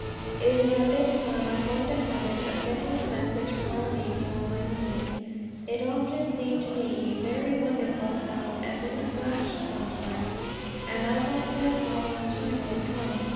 It was at this time I formed a habit of getting a message for a meeting on my knees. It often seemed to me very wonderful how, as in a flash, sometimes, an outline for a talk on China would come.